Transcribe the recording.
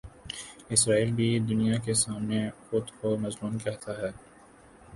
اسرائیل بھی دنیا کے سامنے خو دکو مظلوم کہتا ہے۔